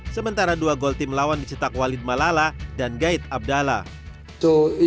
sementara dua gol tim lawan dicetak walid malala dan gaid abdallah